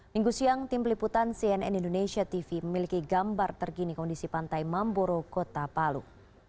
minggu siang tim liputan cnn indonesia tv memiliki gambar terkini kondisi pantai mamboro kota palu